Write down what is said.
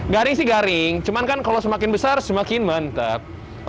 garing sih garing cuman kan kalau semakin besar semakin mantap